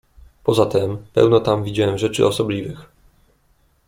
"Poza tem pełno tam widziałem rzeczy osobliwych."